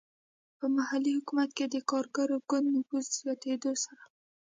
په محلي حکومت کې د کارګر ګوند نفوذ زیاتېدو سره.